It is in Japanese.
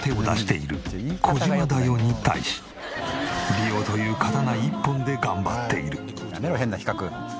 美容という刀一本で頑張っている。